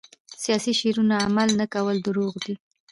سیاسي شعارونه عمل نه کول دروغ دي.